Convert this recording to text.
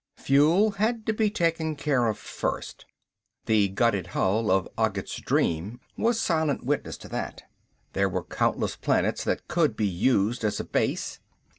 Fuel had been taken care of first, the gutted hull of Ogget's Dream was silent witness to that. There were countless planets that could be used as a base.